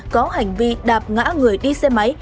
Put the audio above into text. có hành vi đạp ngã người đi xe máy